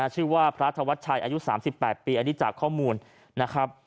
ชื่อว่าพระธวัชชัยอายุ๓๘ปีอันนี้จากข้อมูลนะครับ